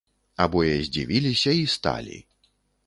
Абое здзівіліся і сталі.